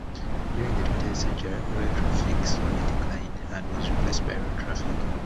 During the twentieth century, rail traffic slowly declined and was replaced by road traffic.